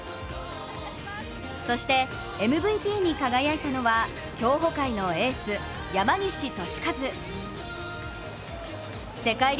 そしてＭＶＰに輝いたのは、競歩界のエース山西和利。